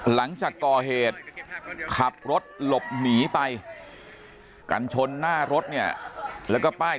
หลังจากก่อเหตุขับรถหลบหนีไปกันชนหน้ารถเนี่ยแล้วก็ป้าย